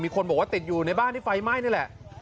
คนบอกว่าติดอยู่ในบ้านที่ไฟไหม้นี่แหละ